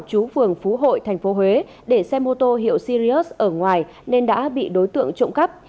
chú phường phú hội thành phố huế để xe mô tô hiệu sirius ở ngoài nên đã bị đối tượng trộm cắp